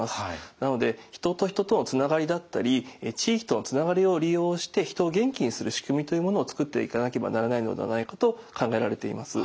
なので人と人とのつながりだったり地域とのつながりを利用して人を元気にする仕組みというものを作っていかなければならないのではないかと考えられています。